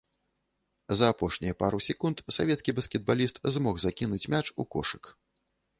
За апошнія пару секунд савецкі баскетбаліст змог закінуць мяч у кошык.